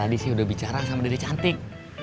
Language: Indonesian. tadi saya sudah bicara sama dede cantik